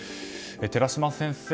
寺嶋先生